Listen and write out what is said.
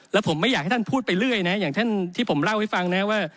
แล้วผมไม่อยากให้ท่านพูดไปเรื่อยนะอย่างที่ผมเล่าให้ฟังนะว่า